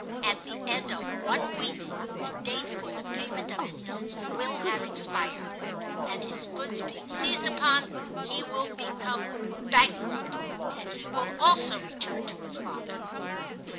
At the end of one week the date for the payment of his notes will have expired, and, his goods being seized upon, he will become a bankrupt; and he also will return to his father."